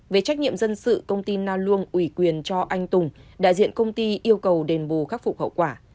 về trách nhiệm dân sự công ty na luôn ủy quyền cho anh tùng đại diện công ty yêu cầu đền bù khắc phục hậu quả